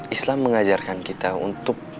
islam mengajarkan kita untuk